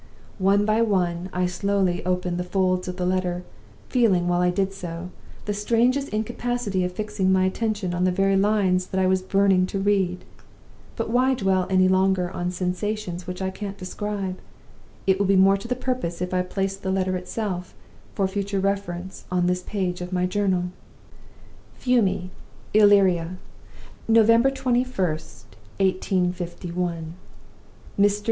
"One by one I slowly opened the folds of the letter; feeling, while I did so, the strangest incapability of fixing my attention on the very lines that I was burning to read. But why dwell any longer on sensations which I can't describe? It will be more to the purpose if I place the letter itself, for future reference, on this page of my journal. "'Fiume, Illyria, November 21, 1851. "MR.